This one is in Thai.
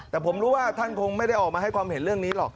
แต่ผมรู้ว่าท่านคงไม่ได้ออกมาให้ความเห็นเรื่องนี้หรอก